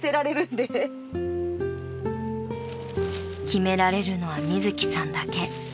［決められるのはみずきさんだけ］